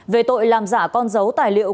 về tội làm giả con dấu tài liệu